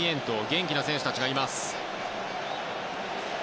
元気な選手たちがいます。